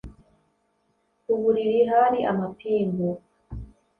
Ku buriri hari amapingu.